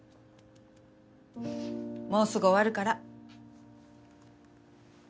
もうすぐ終わるから。